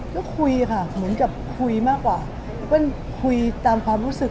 ก็คุยค่ะเหมือนกับคุยมากกว่าเปิ้ลคุยตามความรู้สึก